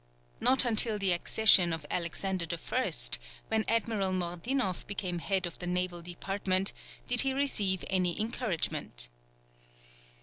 Not until the accession of Alexander I., when Admiral Mordinoff became head of the naval department, did he receive any encouragement.